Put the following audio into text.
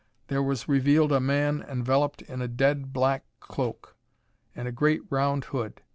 There was revealed a man enveloped in a dead black cloak and a great round hood.